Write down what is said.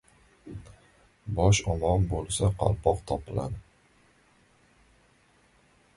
• Bosh omon bo‘lsa qalpoq topiladi.